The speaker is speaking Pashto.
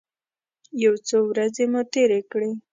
یو څو ورځې مو تېرې کړې.